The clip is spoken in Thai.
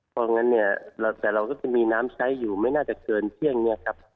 เพราะฉะนั้นเนี่ยแต่เราก็จะมีน้ำใช้อยู่ไม่น่าจะเกินเที่ยงเนี่ยครับ